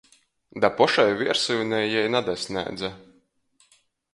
Da pošai viersyunei jei nadasnēdze.